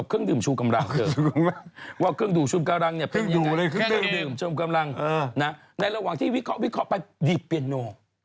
เครื่องดื่มชูกำลังนะในระหว่างที่วิเคราะห์ไปดีดเบียโน